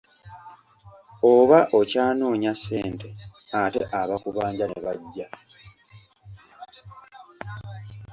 Oba okyanoonya ssente ate abakubanja ne bajja.